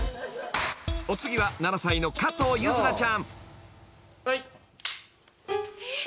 ［お次は７歳の加藤柚凪ちゃん］えっ？あっ？